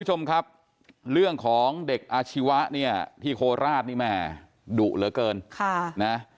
คุณผู้ชมครับเรื่องของเด็กอาชีวะที่โคลาสดุเหลือเกิน